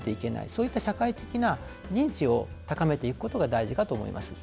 そういった社会的な認知を高めていくことが大事かと思います。